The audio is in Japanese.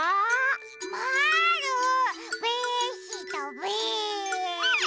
まぁるべしたべ！